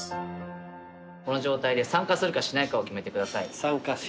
この状態で参加するかしないかを決めてください。